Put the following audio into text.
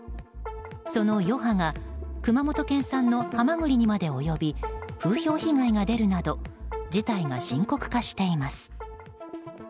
その余波が熊本県産のハマグリにまで及び風評被害が出るなど事態が深刻化しています。